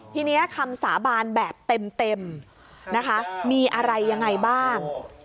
ทีนี้คำสาบานแบบเต็มนะคะมีอะไรยังไงบ้าง